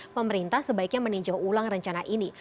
pemerintah sebaiknya meninjau ulang rencana ini